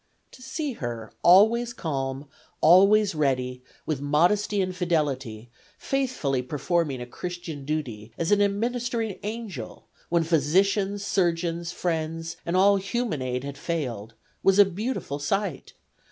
To see her always calm, always ready, with modesty and fidelity, faithfully performing a Christian duty as an administering angel when physicians, surgeons, friends and all human aid had failed, was a beautiful sight.